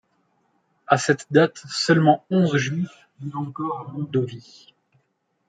À cette date, seulement onze juifs vivent encore à Mondovi.